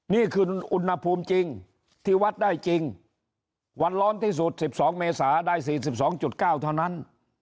นี่คืออุณหภูมิจริงที่วัดได้จริงวันร้อนที่สุดสิบสองเมษาได้สี่สิบสองจุดเก้าเท่านั้น